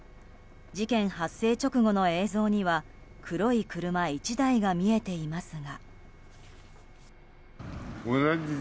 事件発生直後の映像には黒い車１台が見えていますが。